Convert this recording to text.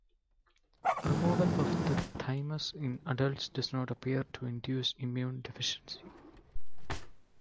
Removal of the thymus in adults does not appear to induce immune deficiency.